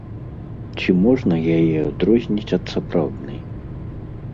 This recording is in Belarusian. Ці можна яе адрозніць ад сапраўднай?